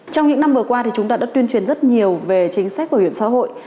trong những năm vừa qua chúng ta đã tuyên truyền rất nhiều về chính sách bảo hiểm xã hội